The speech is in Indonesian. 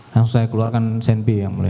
langsung saya keluarkan senpi yang mulia